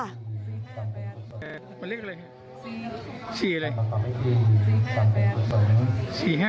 มันเลขอะไร